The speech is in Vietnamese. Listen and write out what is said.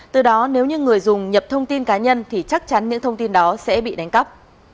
từ đó nếu như người dùng nhập thông tin cá nhân thì chắc chắn những thông tin đó sẽ bị đánh cắp